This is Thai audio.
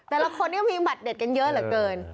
แต่ละคนนี้มีบัตรเด็ดกันเยอะเหลือเกิน